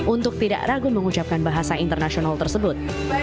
untuk tidak ragu mengucapkan bahasa internasional tersebut